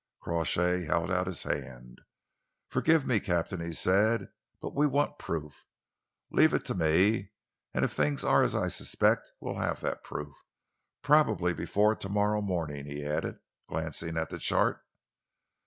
Crawshay held out his hand. "Forgive me, Captain," he said, "but we want proof. Leave it to me, and if things are as I suspect, we'll have that proof probably before to morrow morning," he added, glancing at the chart.